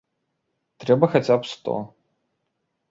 Трэба хаця б сто.